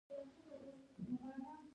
کوچیان په ژمي کې ګرمو سیمو ته ځي